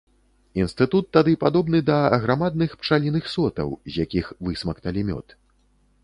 Інстытут тады падобны да аграмадных пчаліных сотаў, з якіх высмакталі мёд.